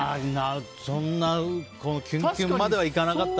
そんなキュンキュンまではいかなかった。